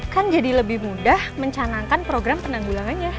kan jadi lebih mudah mencanangkan program penanggulangannya